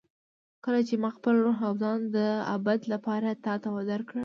کله چې ما خپل روح او ځان د ابد لپاره تا ته درکړل.